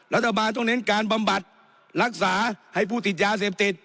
รัฐบาลต้องเน้นการบำบัดรักษาให้ผู้ติดยาเสพติด